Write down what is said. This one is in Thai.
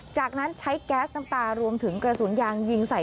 จากนั้นใช้แก๊สน้ำตารวมถึงกระสุนยางยิงใส่